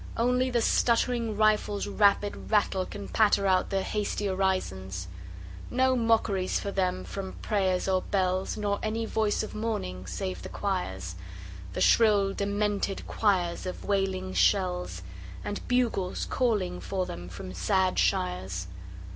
Only the stuttering rifles' rapid rattle Can patter out their hasty orisons. No mockeries for them from prayers or bells, Nor any voice of mourning save the choirs The shrill, demented choirs of wailing shells; And bugles calling for them from sad shires.